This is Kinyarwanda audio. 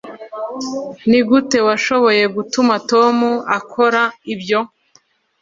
nigute washoboye gutuma tom akora ibyo